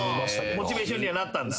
モチベーションにはなったんだ。